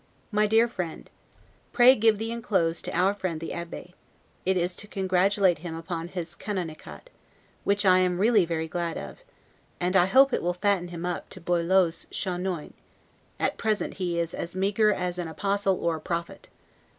MY DEAR FRIEND: Pray give the inclosed to our friend the Abbe; it is to congratulate him upon his 'Canonicat', which I am really very glad of, and I hope it will fatten him up to Boileau's 'Chanoine'; at present he is as meagre as an apostle or a prophet.